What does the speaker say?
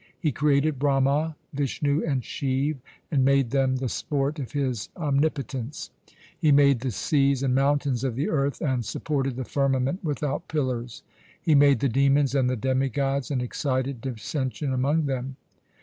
He created Brahma, Vishnu, and Shiv, and made them the sport of His omnipotence ; He made the seas and mountains of the earth, and sup ported the firmament without pillars ; He made the demons and the demigods, and excited dissension among them.